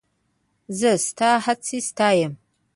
زه ستا هڅې ستایم.